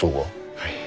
はい。